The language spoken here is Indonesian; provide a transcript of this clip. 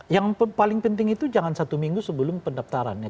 yang paling penting itu jangan satu minggu sebelum pendaftarannya